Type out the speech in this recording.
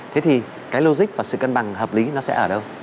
thế thì cái logic và sự cân bằng hợp lý nó sẽ ở đâu